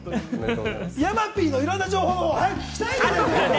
山Ｐのいろんな情報のほうを聞きたいのよ。